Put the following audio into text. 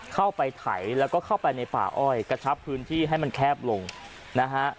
ไถแล้วก็เข้าไปในป่าอ้อยกระชับพื้นที่ให้มันแคบลงนะฮะ